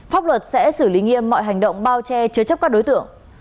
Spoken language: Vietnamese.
pháp luật sẽ xử lý nghiêm mọi hành động bao che chứa chấp các đối tượng